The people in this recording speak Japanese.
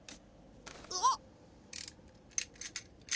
あっ。